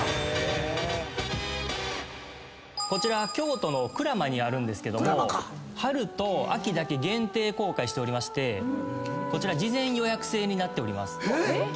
こちら京都の鞍馬にあるんですけども春と秋だけ限定公開しておりましてこちら事前予約制になっております。